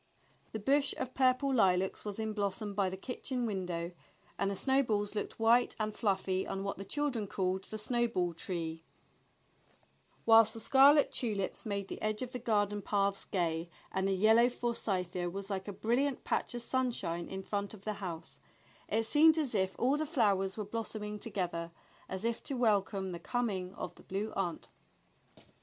The bush of purple lilacs was in blossom by the kitchen window, and the snowballs looked white and fluffy on what the children called the snowball tree, while the scarlet tulips made the edge of the garden paths gay, and the yellow forsythia was like a brilliant patch of sunshine in front of the house; it seemed as if all the flowers were blossoming together, as if to welcome the coming of the Blue Aunt.